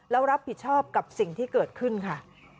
แล้วรับผิดชอบกับสิ่งที่เกิดขึ้นค่ะ